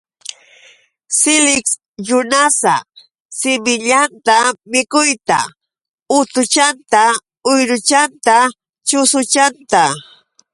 Siliksyunasa simillatam mikuyta, utuchanta, uyruchanta, chusuchanta.